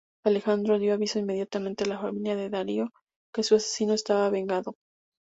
Alejandro dio aviso inmediatamente a la familia de Darío, que su asesino estaba vengado.